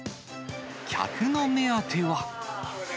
客の目当ては。